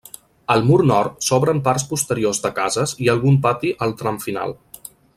Al mur nord s'obren parts posteriors de cases i algun pati al tram final.